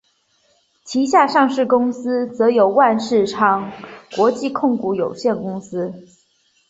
旗下上市公司则有万事昌国际控股有限公司。